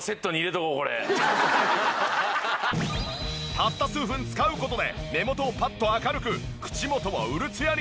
たった数分使う事で目元をパッと明るく口元もウルツヤに。